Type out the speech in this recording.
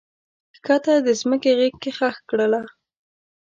کښته د مځکې غیږ کې ښخ کړله